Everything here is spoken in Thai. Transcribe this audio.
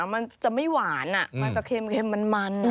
มันจะไม่หวานมันจะเค็มมัน